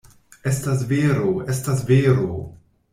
Estas vero, estas vero!